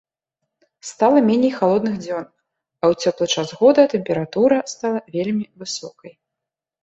Стала меней халодных дзён, а ў цёплы час года тэмпература стала вельмі высокай.